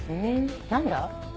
何だ？